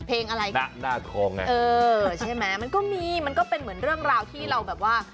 เพลงอะไรหน้าทองไงเออใช่ไหมมันก็มีมันก็เป็นเหมือนเรื่องราวที่เราแบบว่า